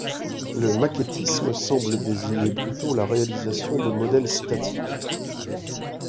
Le maquettisme semble désigner plutôt la réalisation de modèles statiques.